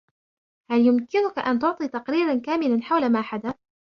هل يمكنك أن تعطي تقريراً كاملاً حول ما حدث ؟